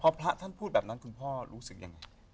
พอพระท่านพูดแบบนั้นคุณพ่อรู้สึกยังไง